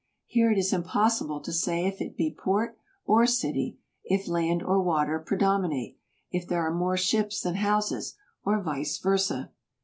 Here it is impossible to say if it be port or city, if land or water predominate, if there are more ships than houses, or vice versa.